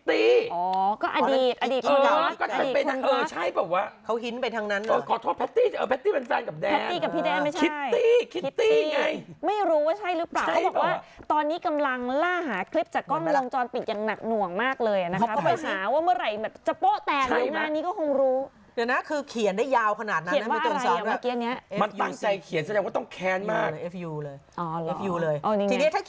ตอนนี้เห็นเขาบอกว่าเออไม่ใช่แพตตี้อ๋อก็อดีตอดีตอดีตอดีตอดีตอดีตอดีตอดีตอดีตอดีตอดีตอดีตอดีตอดีตอดีตอดีตอดีตอดีตอดีตอดีตอดีตอดีตอดีตอดีตอดีตอดีตอดีตอดีตอดีตอดีตอดีตอดีตอดีตอดีตอดีตอดีตอดีตอดี